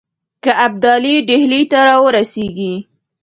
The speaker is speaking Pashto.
که ابدالي ډهلي ته را ورسیږي.